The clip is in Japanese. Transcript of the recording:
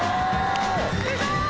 すごい！